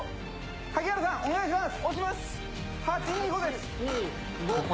萩原さん、お願いします！